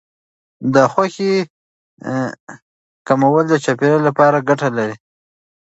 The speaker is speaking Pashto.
د غوښې کمول د چاپیریال لپاره ګټه لري.